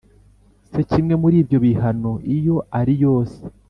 se kimwe muri ibyo bihano iyo ari yose